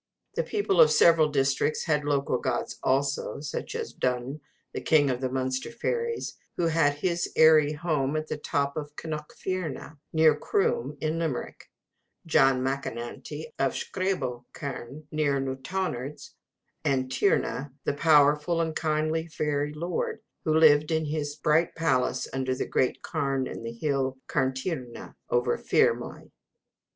The people of several districts had local gods also, such as Donn, the king of the Munster fairies, who had his airy home on the top of Knockfierna, near Croom in Limerick; John Macananty of Scrabo carn, near Newtownards; and Tierna, the powerful and kindly fairy lord, who lived in his bright palace under the great carn on the hill of Carntierna, over Fermoy.